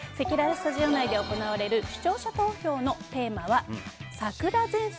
せきららスタジオ内で行われる視聴者投票のテーマは桜前線